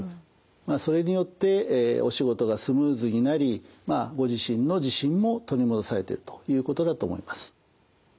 まあそれによってお仕事がスムーズになりまあご自身の自信も取り戻されてるということだと思います。